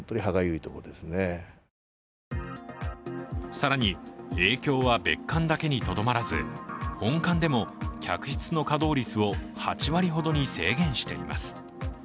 更に、影響は別館だけにとどまらず、本館でも客室の稼働率を８割ほどに制限しています。